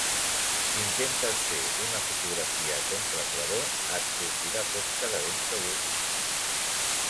Si intentes fer una fotografia a contraclaror et sortirà fosca de ben segur.